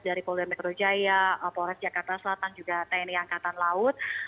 dari polri mikrojaya polres jakarta selatan juga tni angkatan laut